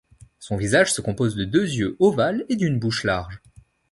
Son visage se compose de deux yeux ovales et d'une bouche large.